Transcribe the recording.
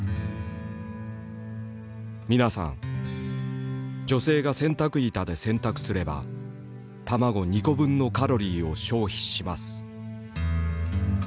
「皆さん女性が洗濯板で洗濯すれば卵２個分のカロリーを消費します」。